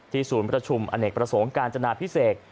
ศูนย์ประชุมอเนกประสงค์การจนาพิเศษ